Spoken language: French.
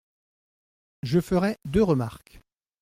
Je ferai deux remarques.